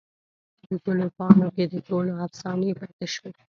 دګلو پاڼوکې دټولو افسانې پاته شوي